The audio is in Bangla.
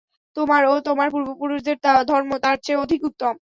তোমার ও তোমার পূর্বপুরুষদের ধর্ম তার চেয়ে অধিক উত্তম।